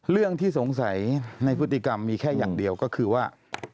เรื่องที่สงสัยในพฤติกรรมมีแค่อย่างเดียวก็คือว่า